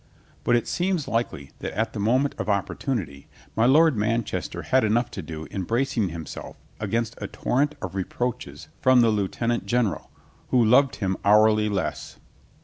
But it seems likely that at the moment of opportunity my Lord Manchester had enough to do in bracing himself against a torrent of reproaches from the lieutenant general, who loved him hourly less.